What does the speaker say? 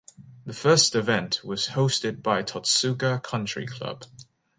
The first event was hosted by Totsuka Country Club.